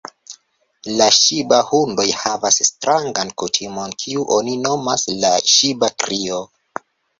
La ŝiba-hundoj havas strangan kutimon, kiu oni nomas la ŝiba-krio.